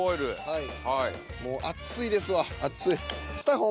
はい。